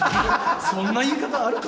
そんな言い方あるか。